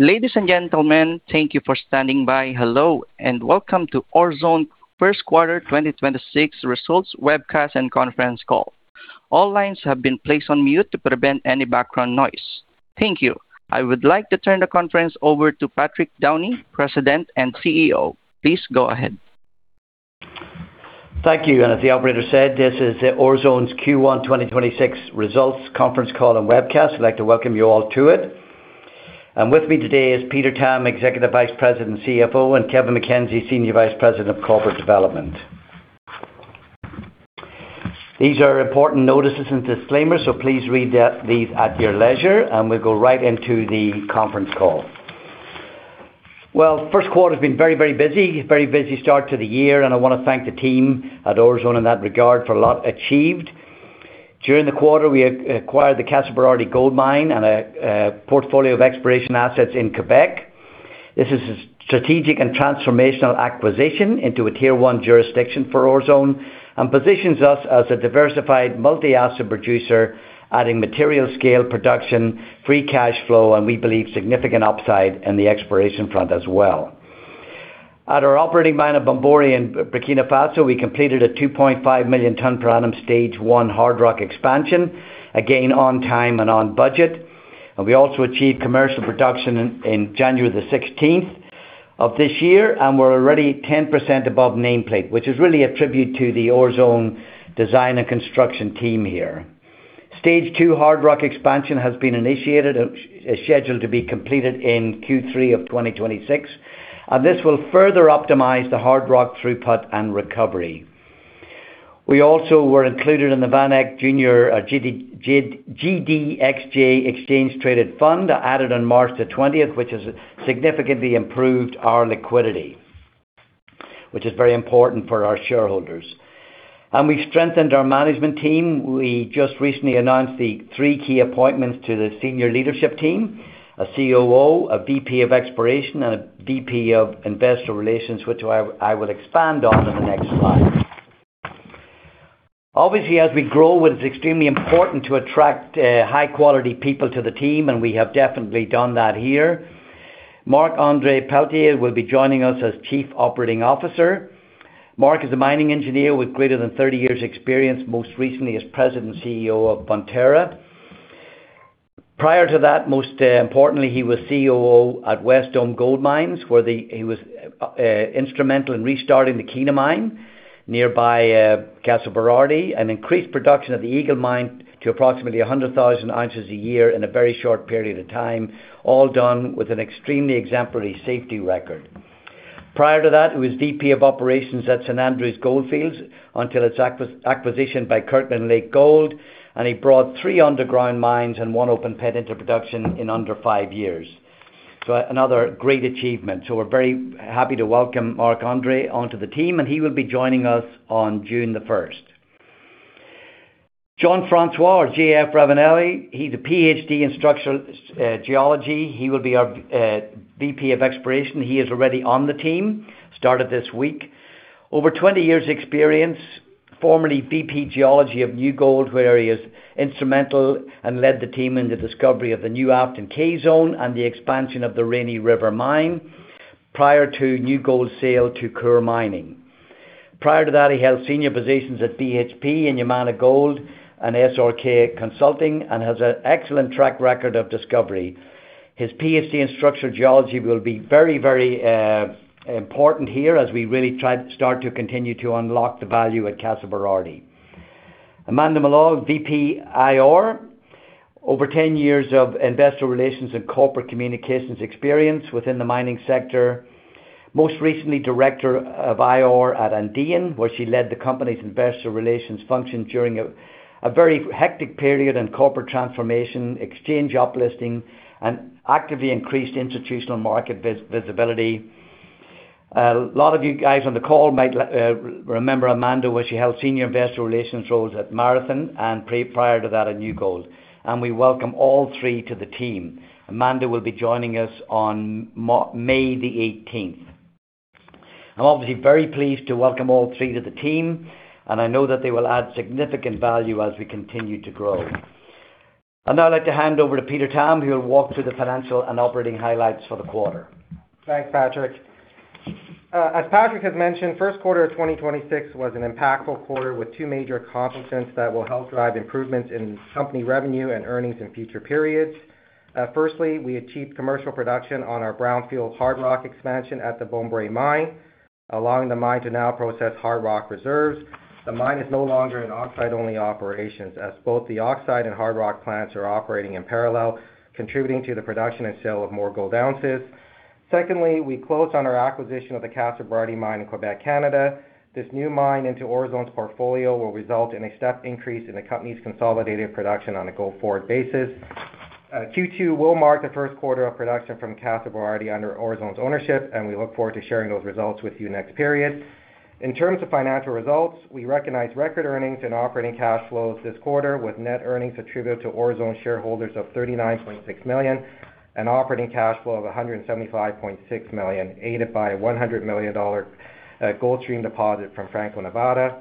Ladies and gentlemen, thank you for standing by. Welcome to Orezone first quarter 2026 results webcast and conference call. All lines have been placed on mute to prevent any background noise. Thank you. I would like to turn the conference over to Patrick Downey, President and CEO. Please go ahead. Thank you. As the operator said, this is Orezone's Q1 2026 results conference call and webcast. I'd like to welcome you all to it. With me today is Peter Tam, Executive Vice President and CFO, and Kevin MacKenzie, Senior Vice President of Corporate Development. These are important notices and disclaimers, please read these at your leisure, we'll go right into the conference call. First quarter's been very, very busy. Very busy start to the year, I want to thank the team at Orezone in that regard for a lot achieved. During the quarter, we acquired the Casa Berardi Gold Mine and a portfolio of exploration assets in Quebec. This is a strategic and transformational acquisition into a Tier 1 jurisdiction for Orezone and positions us as a diversified multi-asset producer, adding material scale, production, free cash flow, and we believe significant upside in the exploration front as well. At our operating mine of Bomboré in Burkina Faso, we completed a 2.5 Mtpa Stage 1 hard rock expansion, again on time and on budget. We also achieved commercial production in January the 16th of this year, and we're already 10% above nameplate, which is really a tribute to the Orezone design and construction team here. Stage 2 hard rock expansion has been initiated and is scheduled to be completed in Q3 of 2026, and this will further optimize the hard rock throughput and recovery. We also were included in the VanEck Junior GDXJ exchange-traded fund, added on March the 20th, which has significantly improved our liquidity, which is very important for our shareholders. We've strengthened our management team. We just recently announced the three key appointments to the senior leadership team, a COO, a VP of Exploration, and a VP of Investor Relations, which I will expand on in the next slide. Obviously, as we grow, it's extremely important to attract high-quality people to the team, and we have definitely done that here. Marc-Andre Pelletier will be joining us as Chief Operating Officer. Marc is a mining engineer with greater than 30 years experience, most recently as President and CEO of Bonterra. Prior to that, most importantly, he was COO at Wesdome Gold Mines, where he was instrumental in restarting the Kiena Mine nearby Casa Berardi and increased production of the Eagle Mine to approximately 100,000 ounces a year in a very short period of time, all done with an extremely exemplary safety record. Prior to that, he was VP of operations at St Andrew Goldfields until its acquisition by Kirkland Lake Gold. He brought three underground mines and one open pit into production in under five years. Another great achievement. We're very happy to welcome Marc-Andre onto the team, and he will be joining us on June 1st. Jean-François, or J.F., Ravenelle, he's a PhD in Structural Geology. He will be our VP of Exploration. He is already on the team, started this week. Over 20 years experience, formerly VP, Geology of New Gold, where he is instrumental and led the team in the discovery of the New Afton K-Zone and the expansion of the Rainy River Mine prior to New Gold's sale to Coeur Mining. Prior to that, he held senior positions at BHP and Yamana Gold and SRK Consulting and has an excellent track record of discovery. His PhD in Structural Geology will be very, very important here as we really try to start to continue to unlock the value at Casa Berardi. Amanda Mallough, VP, IR. Over 10 years of investor relations and corporate communications experience within the mining sector. Most recently, Director of IR at Andean, where she led the company's investor relations function during a very hectic period in corporate transformation, exchange uplisting, and actively increased institutional market visibility. A lot of you guys on the call might remember Amanda Mallough when she held senior investor relations roles at Marathon and prior to that at New Gold. We welcome all three to the team. Amanda Mallough will be joining us on May 18th. I'm obviously very pleased to welcome all three to the team, and I know that they will add significant value as we continue to grow. I'd now like to hand over to Peter Tam, who will walk through the financial and operating highlights for the quarter. Thanks, Patrick. As Patrick has mentioned, first quarter of 2026 was an impactful quarter with two major accomplishments that will help drive improvements in company revenue and earnings in future periods. Firstly, we achieved commercial production on our brownfield hard rock expansion at the Bomboré Mine, allowing the mine to now process hard rock reserves. The mine is no longer an oxide-only operations, as both the oxide and hard rock plants are operating in parallel, contributing to the production and sale of more gold ounces. Secondly, we closed on our acquisition of the Casa Berardi mine in Quebec, Canada. This new mine into Orezone's portfolio will result in a step increase in the company's consolidated production on a go-forward basis. Q2 will mark the first quarter of production from Casa Berardi under Orezone's ownership, and we look forward to sharing those results with you next period. In terms of financial results, we recognized record earnings and operating cash flows this quarter with net earnings attributed to Orezone shareholders of $39.6 million and operating cash flow of $175.6 million, aided by a $100 million gold stream deposit from Franco-Nevada.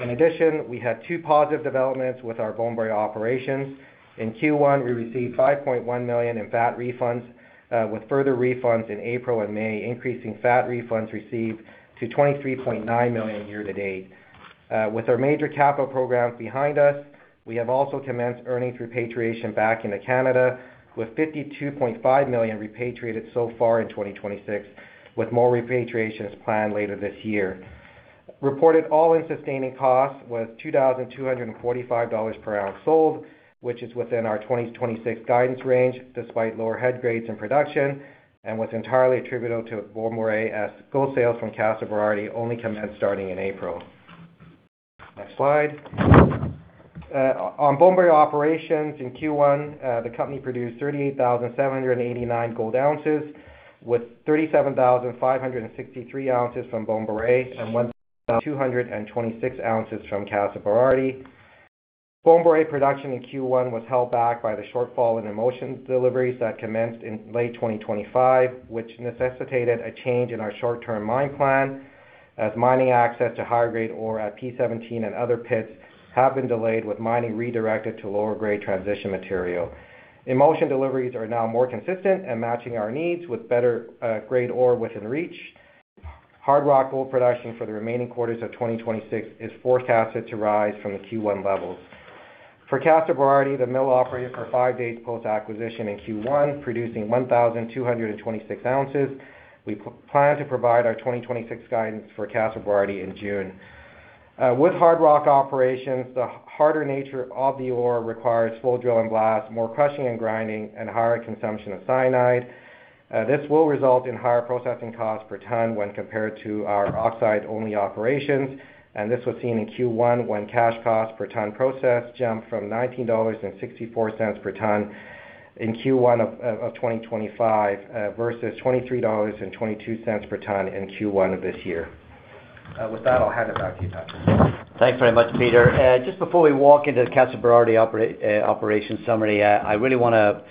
In addition, we had two positive developments with our Bomboré operations. In Q1, we received $5.1 million in VAT refunds, with further refunds in April and May, increasing VAT refunds received to $23.9 million year-to-date. With our major capital programs behind us, we have also commenced earnings repatriation back into Canada with $52.5 million repatriated so far in 2026, with more repatriations planned later this year. Reported all-in sustaining costs was $2,245 per ounce sold, which is within our 2026 guidance range despite lower head grades in production and was entirely attributable to Bomboré as gold sales from Casa Berardi only commenced starting in April. Next slide. On Bomboré operations in Q1, the company produced 38,789 gold ounces, with 37,563 ounces from Bomboré and 1,226 ounces from Casa Berardi. Bomboré production in Q1 was held back by the shortfall in emulsion deliveries that commenced in late 2025, which necessitated a change in our short-term mine plan as mining access to higher grade ore at P17 and other pits have been delayed with mining redirected to lower grade transition material. Emulsion deliveries are now more consistent and matching our needs with better grade ore within reach. Hard rock gold production for the remaining quarters of 2026 is forecasted to rise from the Q1 levels. For Casa Berardi, the mill operated for five days post-acquisition in Q1, producing 1,226 ounces. We plan to provide our 2026 guidance for Casa Berardi in June. With hard rock operations, the harder nature of the ore requires full drill and blast, more crushing and grinding, and higher consumption of cyanide. This will result in higher processing costs per ton when compared to our oxide-only operations. This was seen in Q1 when cash costs per ton processed jumped from $19.64 per ton in Q1 of 2025 versus $23.22 per ton in Q1 of this year. With that, I'll hand it back to you, Patrick. Thanks very much, Peter. Just before we walk into the Casa Berardi operation summary, I really wanna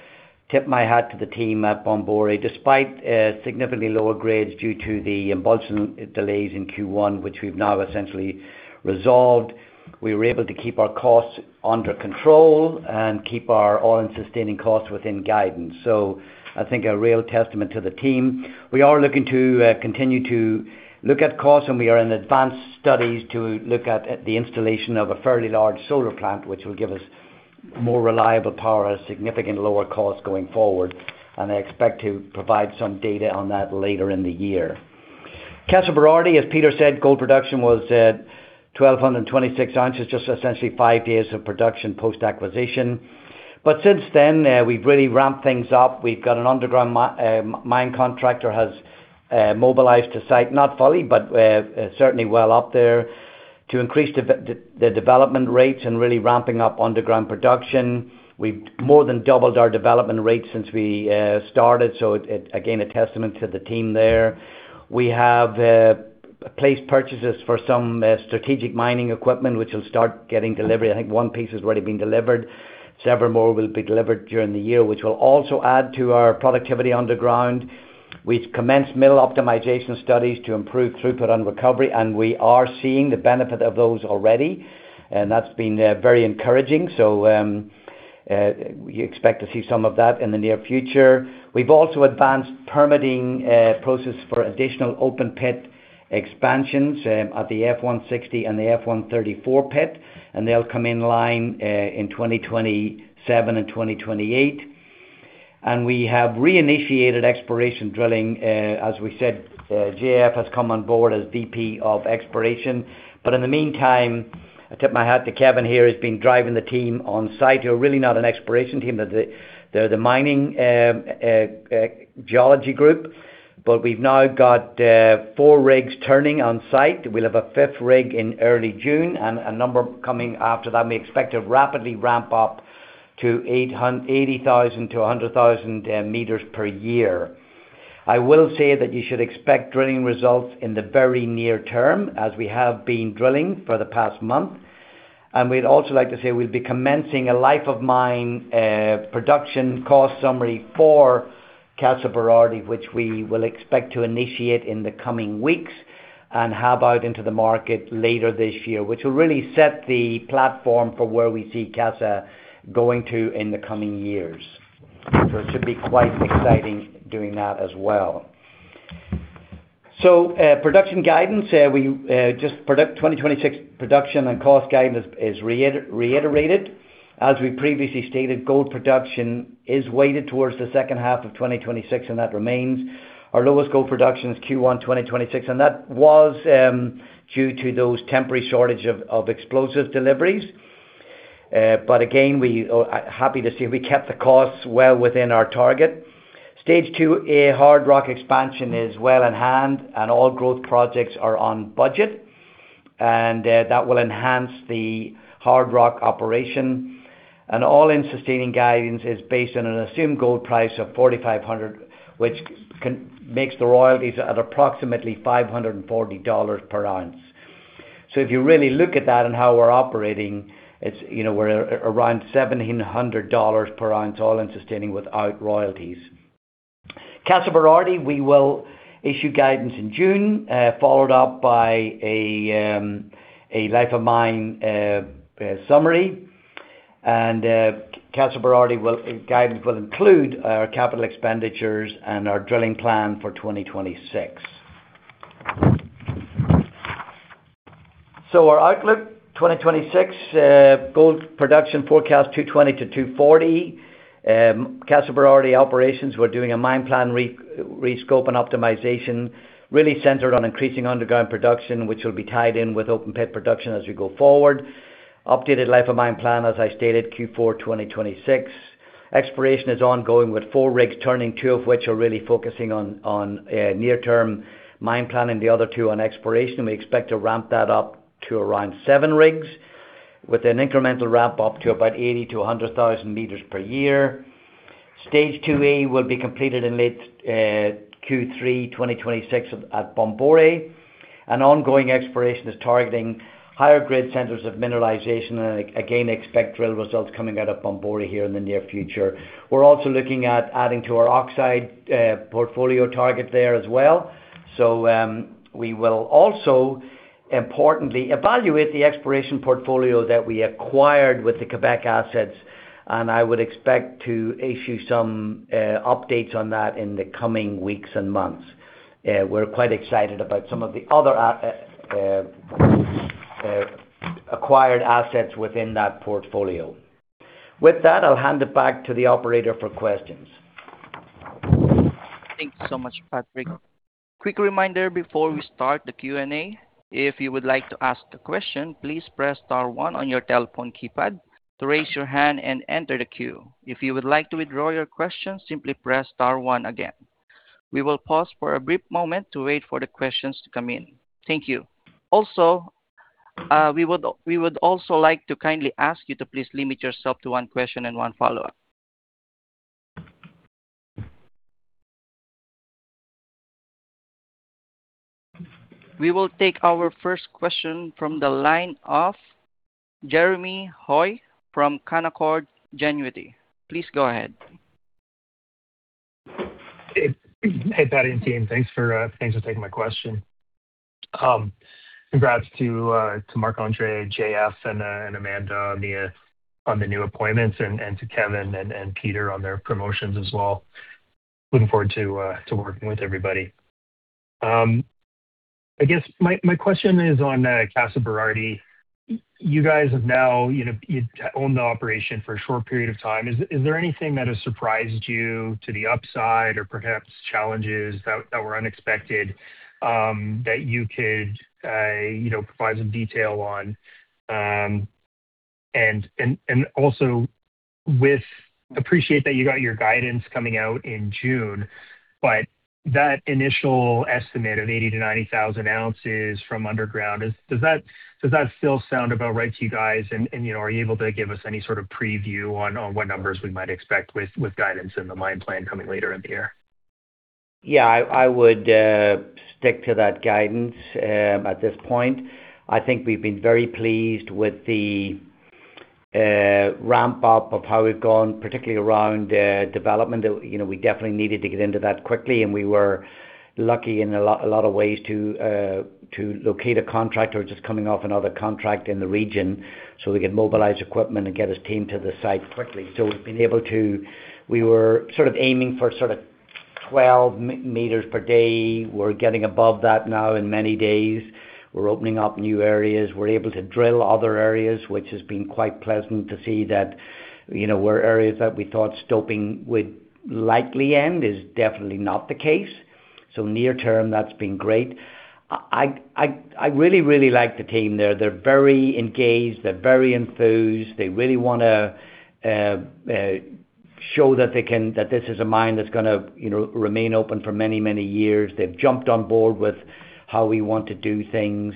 tip my hat to the team at Bomboré. Despite significantly lower grades due to the emulsion delays in Q1, which we've now essentially resolved, we were able to keep our costs under control and keep our all-in sustaining costs within guidance. I think a real testament to the team. We are looking to continue to look at costs, and we are in advanced studies to look at the installation of a fairly large solar plant, which will give us more reliable power at a significant lower cost going forward, and I expect to provide some data on that later in the year. Casa Berardi, as Peter said, gold production was at 1,226 ounces, just essentially five days of production post-acquisition. Since then, we've really ramped things up. We've got an underground mine contractor has mobilized to site, not fully, but certainly well up there to increase the development rates and really ramping up underground production. We've more than doubled our development rate since we started, so it again, a testament to the team there. We have placed purchases for some strategic mining equipment, which will start getting delivered. I think one piece has already been delivered. Several more will be delivered during the year, which will also add to our productivity underground. We've commenced mill optimization studies to improve throughput and recovery, and we are seeing the benefit of those already, and that's been very encouraging. You expect to see some of that in the near future. We've also advanced permitting process for additional open pit expansions at the F160 and the F134 pit, and they'll come in line in 2027 and 2028. We have reinitiated exploration drilling. As we said, J.F. has come on board as VP of Exploration. In the meantime, I tip my hat to Kevin here who's been driving the team on site who are really not an exploration team. They're the mining geology group. We've now got four rigs turning on site. We'll have a fifth rig in early June and a number coming after that, and we expect to rapidly ramp up to 80,000 m-100,000 m per year. I will say that you should expect drilling results in the very near term as we have been drilling for the past month. We'd also like to say we'll be commencing a life of mine production cost summary for Casa Berardi, which we will expect to initiate in the coming weeks and have out into the market later this year, which will really set the platform for where we see Casa going to in the coming years. It should be quite exciting doing that as well. Production guidance, we just 2026 production and cost guidance is reiterated. As we previously stated, gold production is weighted towards the second half of 2026, and that remains. Our lowest gold production is Q1 2026, and that was due to those temporary shortage of explosive deliveries. We are happy to see we kept the costs well within our target. Stage 2A hard rock expansion is well in hand, and all growth projects are on budget, that will enhance the hard rock operation. All-in sustaining guidance is based on an assumed gold price of 4,500, which makes the royalties at approximately $540 per ounce. If you really look at that and how we're operating, it's, you know, we're around $1700 per ounce. All-in sustaining without royalties. Casa Berardi, we will issue guidance in June, followed up by a life of mine summary. Casa Berardi guidance will include our capital expenditures and our drilling plan for 2026. Our outlook 2026 gold production forecast 220-240. Casa Berardi operations, we're doing a mine plan re-rescope and optimization really centered on increasing underground production, which will be tied in with open pit production as we go forward. Updated life of mine plan, as I stated, Q4 2026. Exploration is ongoing with four rigs turning, two of which are really focusing on near term mine plan and the other two on exploration. We expect to ramp that up to around seven rigs with an incremental ramp up to about 80,000 m-100,000 m per year. Stage 2A will be completed in late Q3 2026 at Bomboré. Ongoing exploration is targeting higher grade centers of mineralization, and again, expect drill results coming out of Bomboré here in the near future. We're also looking at adding to our oxide portfolio target there as well. We will also importantly evaluate the exploration portfolio that we acquired with the Quebec assets, and I would expect to issue some updates on that in the coming weeks and months. We're quite excited about some of the other acquired assets within that portfolio. With that, I'll hand it back to the operator for questions. Thank you so much, Patrick. Quick reminder before we start the Q&A. If you would like to ask a question, please press star one on your telephone keypad to raise your hand and enter the queue. If you would like to withdraw your question, simply press star one again. We will pause for a brief moment to wait for the questions to come in. Thank you. We would also like to kindly ask you to please limit yourself to one question and one follow-up. We will take our first question from the line of Jeremy Hoy from Canaccord Genuity. Please go ahead. Hey, hey, Patrick and team. Thanks for thanks for taking my question. Congrats to Marc-Andre Pelletier, Jean-François Ravenelle, and Amanda Mallough on the new appointments and to Kevin MacKenzie and Peter Tam on their promotions as well. Looking forward to working with everybody. I guess my question is on Casa Berardi Gold Mine. You guys have now, you know, you've owned the operation for a short period of time. Is there anything that has surprised you to the upside or perhaps challenges that were unexpected that you could, you know, provide some detail on? Also with appreciate that you got your guidance coming out in June, but that initial estimate of 80,000 ounces-90,000 ounces from underground, does that still sound about right to you guys? You know, are you able to give us any sort of preview on what numbers we might expect with guidance and the mine plan coming later in the year? Yeah. I would stick to that guidance at this point. I think we've been very pleased with the ramp-up of how we've gone, particularly around development that, you know, we definitely needed to get into that quickly, and we were lucky in a lot of ways to locate a contractor just coming off another contract in the region so we could mobilize equipment and get his team to the site quickly. We were sort of aiming for sort of 12 meters per day. We're getting above that now in many days. We're opening up new areas. We're able to drill other areas, which has been quite pleasant to see that, you know, where areas that we thought stoping would likely end is definitely not the case. Near term, that's been great. I really like the team there. They're very engaged. They're very enthused. They really want to show that this is a mine that's going to, you know, remain open for many, many years. They've jumped on board with how we want to do things.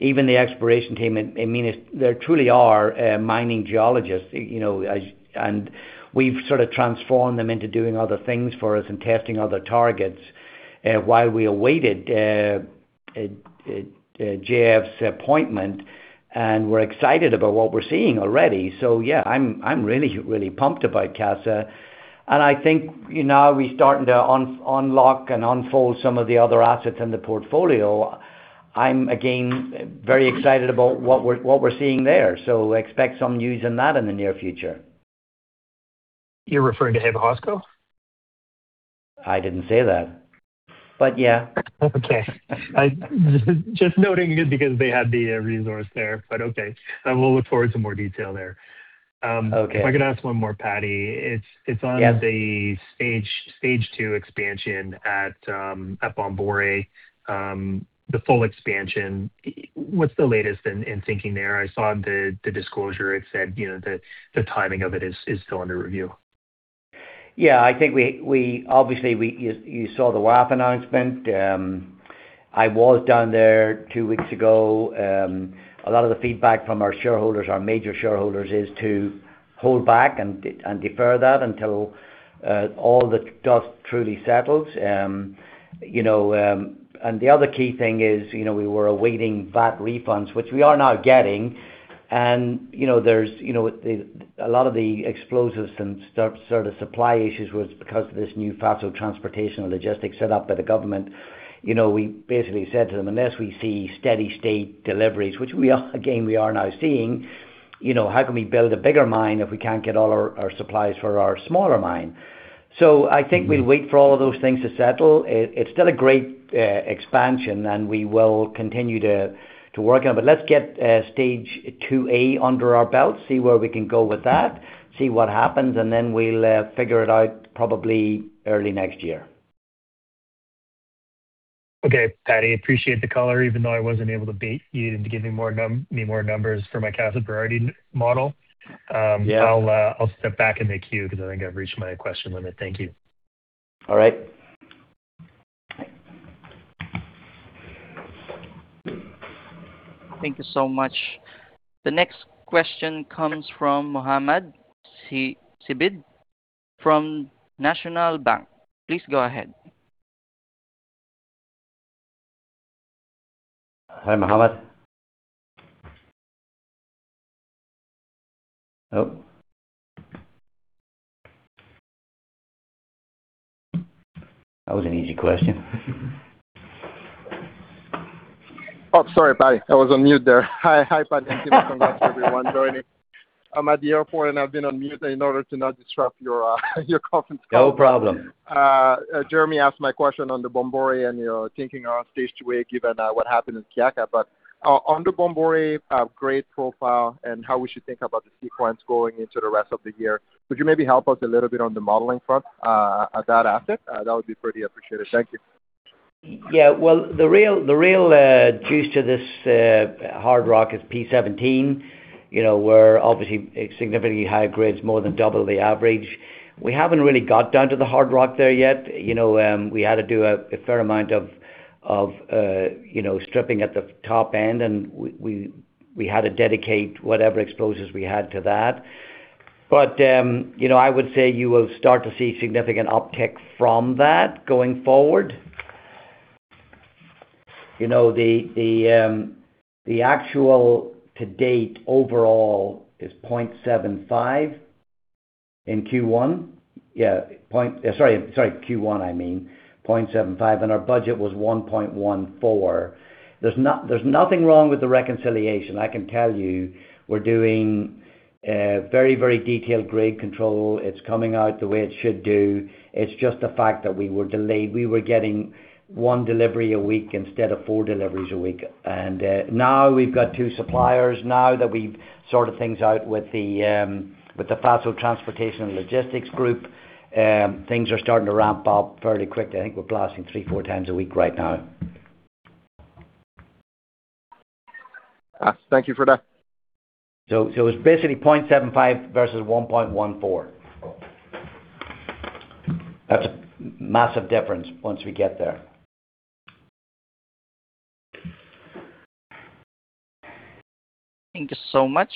Even the exploration team, I mean, it's they truly are mining geologists. You know, we've sort of transformed them into doing other things for us and testing other targets while we awaited J.F.'s appointment. We're excited about what we're seeing already. Yeah, I'm really pumped about Casa. I think, you know, we're starting to unlock and unfold some of the other assets in the portfolio. I'm again very excited about what we're seeing there. Expect some news on that in the near future. You're referring to Hébécourt? I didn't say that, but yeah. Okay. I just noting it because they had the resource there. Okay. I will look forward to more detail there. Okay. If I could ask one more, Patrick. Yes. The Stage 2 expansion at Bomboré, the full expansion. What's the latest in thinking there? I saw the disclosure. It said, you know, the timing of it is still under review. Yeah. I think we obviously, you saw the WAF announcement. I was down there two weeks ago. A lot of the feedback from our shareholders, our major shareholders, is to hold back and defer that until all the dust truly settles. You know, the other key thing is, you know, we were awaiting VAT refunds, which we are now getting. You know, there's, you know, a lot of the explosives and sort of supply issues was because of this new phase of transportation and logistics set up by the government. You know, we basically said to them, "Unless we see steady state deliveries," which we are, again, we are now seeing, you know, how can we build a bigger mine if we can't get all our supplies for our smaller mine? I think we'll wait for all of those things to settle. It's still a great expansion, and we will continue to work on it. Let's get Stage 2A under our belt, see where we can go with that, see what happens, we'll figure it out probably early next year. Okay, Patrick, appreciate the call, or even though I wasn't able to bait you into giving me more numbers for my cash priority model. Yeah. I'll step back in the queue 'cause I think I've reached my question limit. Thank you. All right. Thank you so much. The next question comes from Mohamed Sidibé from National Bank. Please go ahead. Hi, Mohamed. Oh. That was an easy question. Oh, sorry, Patrick. I was on mute there. Hi, hi Patrick. Thanks so much everyone for joining. I'm at the airport, and I've been on mute in order to not disrupt your conference call. No problem. Jeremy asked my question on the Bomboré and your thinking on Stage 2A given what happened in Kiaka. On the Bomboré grade profile and how we should think about the sequence going into the rest of the year, could you maybe help us a little bit on the modeling front at that asset? That would be pretty appreciated. Thank you. Yeah. Well, the real juice to this hard rock is P17. You know, we're obviously significantly higher grades, more than double the average. We haven't really got down to the hard rock there yet. You know, we had to do a fair amount of stripping at the top end, and we had to dedicate whatever explosives we had to that. You know, I would say you will start to see significant uptick from that going forward. You know, the actual to date overall is 0.75 in Q1. Q1, I mean, 0.75, our budget was 1.14. There's nothing wrong with the reconciliation. I can tell you we're doing very detailed grade control. It's coming out the way it should do. It's just the fact that we were delayed. We were getting one delivery a week instead of four deliveries a week. Now we've got two suppliers now that we've sorted things out with the, with the FASO Transportation and Logistics Group. Things are starting to ramp up fairly quickly. I think we're blasting three, four times a week right now. Thank you for that. It's basically 0.75 versus 1.14. That's a massive difference once we get there. Thank you so much.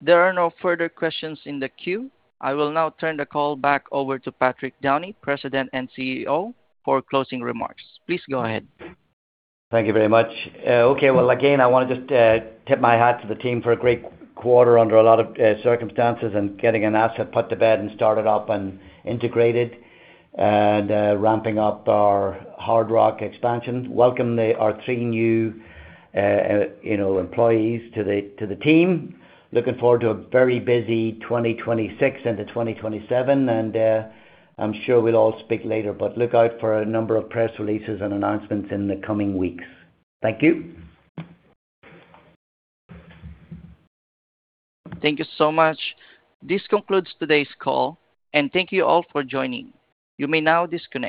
There are no further questions in the queue. I will now turn the call back over to Patrick Downey, President and CEO, for closing remarks. Please go ahead. Thank you very much. Okay. Well, again, I want to just tip my hat to the team for a great quarter under a lot of circumstances and getting an asset put to bed and started up and integrated and ramping up our hard rock expansion. Welcome our three new, you know, employees to the team. Looking forward to a very busy 2026 into 2027. I'm sure we'll all speak later, but look out for a number of press releases and announcements in the coming weeks. Thank you. Thank you so much. This concludes today's call, and thank you all for joining. You may now disconnect.